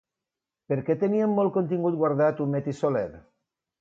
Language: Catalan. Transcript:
Per què tenien molt contingut guardat Humet i Soler?